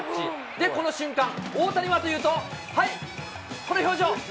で、この瞬間、大谷はというと、はい、この表情。